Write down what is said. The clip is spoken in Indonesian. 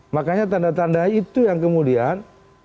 makanya tanda tanda itu yang kemudian